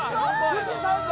富士山だ！